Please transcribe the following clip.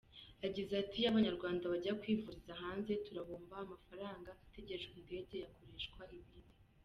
Yagize ati “Iyo Abanyarwanda bajya kwivuriza hanze turahomba, amafaranga ategeshwa indege yakoreshwa ibindi.